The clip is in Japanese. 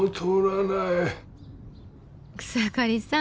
草刈さん